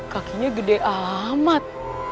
kakinya gede amat